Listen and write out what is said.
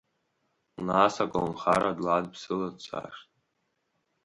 Нас аколнхара дладԥсыла дцашт.